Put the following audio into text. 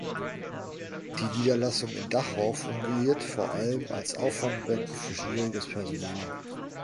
Die Niederlassung in Dachau fungiert vor allem als Auffangbecken für schwieriges Personal.